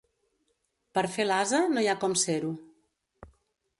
Per fer l'ase no hi ha com ser-ho.